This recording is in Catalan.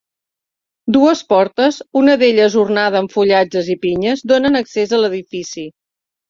Dues portes, una d'elles ornada amb fullatges i pinyes, donen accés a l'edifici.